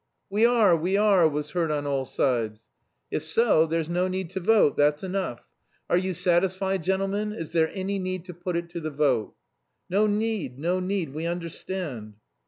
"We are! We are!" was heard on all sides. "If so, there's no need to vote, that's enough. Are you satisfied, gentlemen? Is there any need to put it to the vote?" "No need no need, we understand."